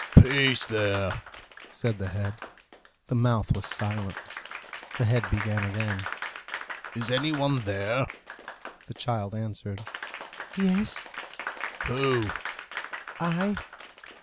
"Peace there!" said the head. The mouth was silent. The head began again, "Is any one there?" The child answered, "Yes." "Who?" "I."